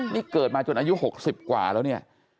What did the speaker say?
นี่เกิดมาจนอายุ๖๐กว่าแล้วเนี่ย